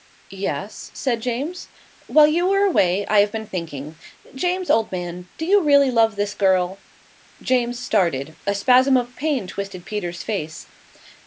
"Yes?" said James. "While you were away I have been thinking. James, old man, do you really love this girl?" James stared. A spasm of pain twisted Peter's face.